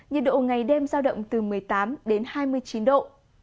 nhiệt độ ngày đêm giao động từ một mươi tám đến hai mươi chín độ